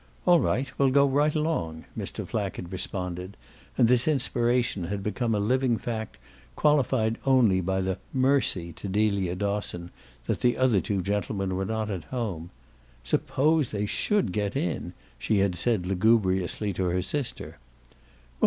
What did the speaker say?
"All right, we'll go right along!" Mr. Flack had responded, and this inspiration had become a living fact qualified only by the "mercy," to Delia Dosson, that the other two gentlemen were not at home. "Suppose they SHOULD get in?" she had said lugubriously to her sister.